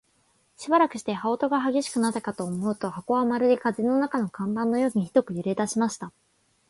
しばらくして、羽音が烈しくなったかと思うと、箱はまるで風の中の看板のようにひどく揺れだしました。